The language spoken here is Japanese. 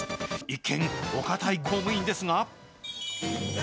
一見、お堅い公務員ですが。